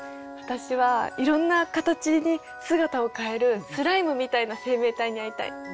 私はいろんな形に姿を変えるスライムみたいな生命体に会いたい。